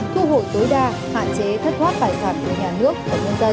thu hồi tối đa hạn chế thất thoát tài sản của nhà nước và nhân dân